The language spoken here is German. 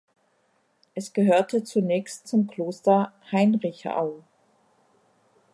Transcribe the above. Es gehörte zunächst zum Kloster Heinrichau.